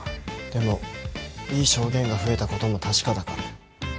でもいい証言が増えたことも確かだから。